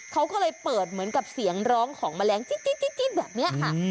เขาก็เลยเปิดเหมือนกับเสียงร้องของแมลงจิ๊ดแบบนี้ค่ะ